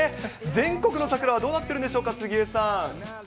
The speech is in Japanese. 全国の桜はどうなってるんでしょうか、杉江さん。